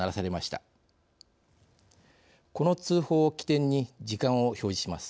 この通報を起点に時間を表示します。